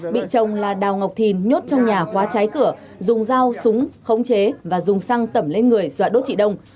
bị chồng là đào ngọc thìn nhốt trong nhà khóa trái cửa dùng dao súng khống chế và dùng xăng tẩm lên người dọa đốt chị đông